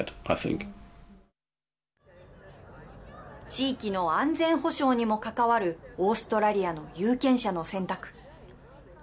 地域の安全保障にも関わるオーストラリアの有権者の選択。